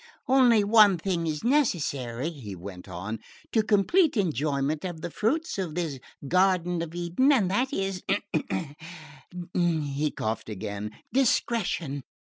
"Only one thing is necessary," he went on, "to complete enjoyment of the fruits of this garden of Eden; and that is" he coughed again "discretion.